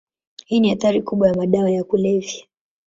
Hii ni athari kubwa ya madawa ya kulevya.